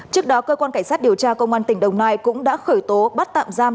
trước đó cơ quan cảnh sát điều tra công an tỉnh đồng nai cũng đã khởi tố bắt tạm giam